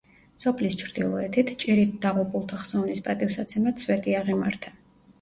სოფლის ჩრდილოეთით, ჭირით დაღუპულთა ხსოვნის პატივსაცემად სვეტი აღიმართა.